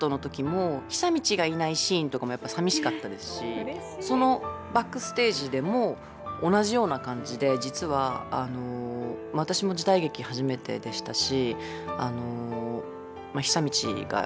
セットの時もそのバックステージでも同じような感じで、実は私も時代劇初めてでしたし。